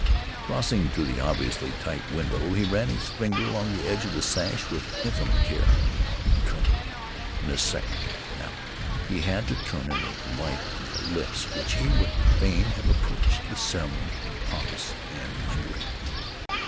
Crossing to the obviously tight window, he ran his finger along the edge of the sash with infinite care. He trembled. In a second, now, he had to turn and make light of the lips which he would fain have approached with ceremony pompous and lingering.